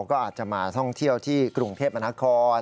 ก็อาจจะมาท่องเที่ยวที่กรุงเทพมนาคม